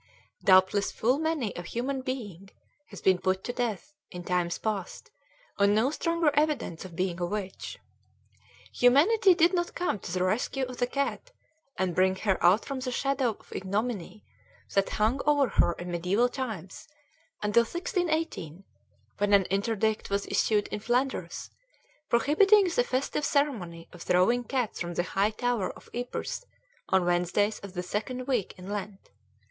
Doubtless full many a human being has been put to death, in times past, on no stronger evidence of being a witch. Humanity did not come to the rescue of the cat and bring her out from the shadow of ignominy that hung over her in mediaeval times until 1618, when an interdict was issued in Flanders prohibiting the festive ceremony of throwing cats from the high tower of Ypres on Wednesdays of the second week in Lent.